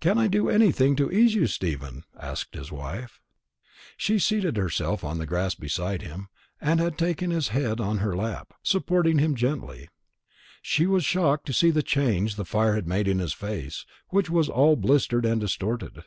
"Can I do anything to ease you, Stephen?" asked his wife. She had seated herself on the grass beside him, and had taken his head on her lap, supporting him gently. She was shocked to see the change the fire had made in his face, which was all blistered and distorted.